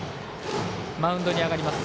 マウンドに上がります。